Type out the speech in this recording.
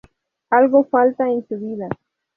Algo falta en su vida.